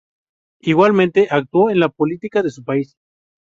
Igualmente, actuó en la política de su país.